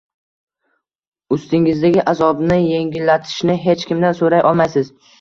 ustingizdagi azobni yengillatishni hech kimdan so‘ray olmaysiz.